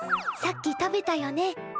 さっき食べたよね。